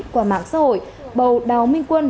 qua mảng xã hội bầu đào minh quân